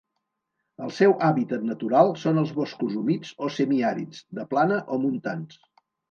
El seu hàbitat natural són els boscos humits o semiàrids, de plana o montans.